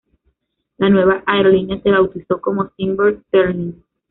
La nueva aerolínea se bautizó como Cimber-Sterling.